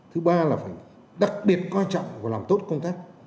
thứ ba là phải đặc biệt coi trọng và làm tốt công tác